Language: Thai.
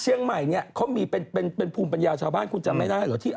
เชียงใหม่เนี่ยเขามีเป็นภูมิปัญญาชาวบ้านคุณจำไม่ได้เหรอที่